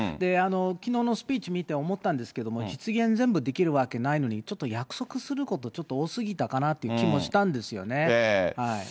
きのうのスピーチ見て思ったんですけれども、実現、全部できるわけではないのに、ちょっと約束すること、ちょっと多すぎたかなという気もしたんですよね。